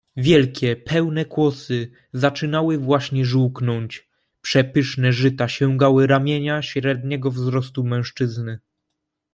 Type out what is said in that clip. "Wielkie, pełne kłosy zaczynały właśnie żółknąć, przepyszne żyta sięgały ramienia średniego wzrostu mężczyzny."